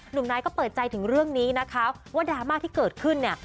หนุ่มนายก็เปิดใจถึงเรื่องนี้นะคะว่าดราม่าที่เกิดขึ้นเนี่ย